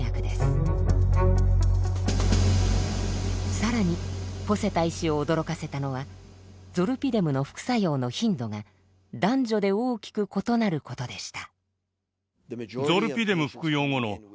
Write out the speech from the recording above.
更にポセタ医師を驚かせたのはゾルピデムの副作用の頻度が男女で大きく異なることでした。